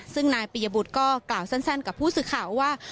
ซึ่งนายปียบุตรก็กล่าวสั้นกับผู้สื่อข่าวว่า